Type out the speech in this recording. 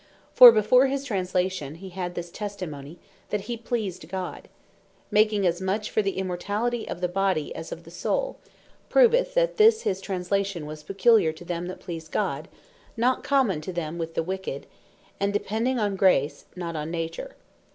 For before his Translation, he had this testimony, that he pleased God," making as much for the Immortality of the Body, as of the Soule, proveth, that this his translation was peculiar to them that please God; not common to them with the wicked; and depending on Grace, not on Nature.